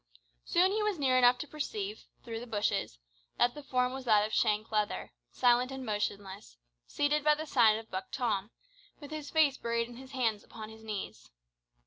Soon he was near enough to perceive, through the bushes, that the form was that of Shank Leather, silent and motionless, seated by the side of Buck Tom, with his face buried in his hands upon his knees.